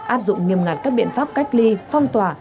áp dụng nghiêm ngặt các biện pháp cách ly phong tỏa